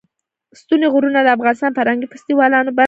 ستوني غرونه د افغانستان د فرهنګي فستیوالونو برخه ده.